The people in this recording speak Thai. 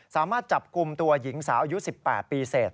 สามารถจับกลุ่มตัวหญิงสาวอายุ๑๘ปีเสร็จ